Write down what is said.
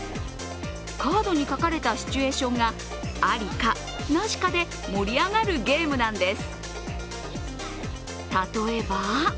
カードに書かれたシチュエーションがアリかナシかで盛り上がるゲームなんです。